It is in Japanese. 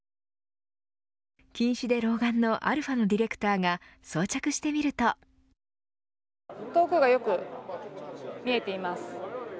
近視で老眼のαのディレクターが遠くがよく見えています。